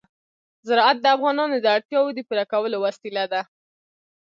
زراعت د افغانانو د اړتیاوو د پوره کولو وسیله ده.